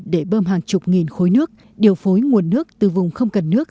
để bơm hàng chục nghìn khối nước điều phối nguồn nước từ vùng không cần nước